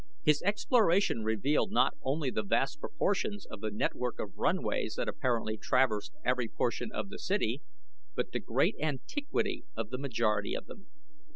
His exploration revealed not only the vast proportions of the network of runways that apparently traversed every portion of the city, but the great antiquity of the majority of them.